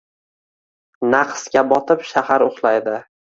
Nahsga botib shahar uxlaydi.